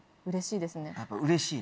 うれしいです。